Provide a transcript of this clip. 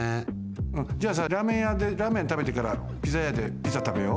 じゃあさラーメンやでラーメンたべてからピザやでピザたべよ！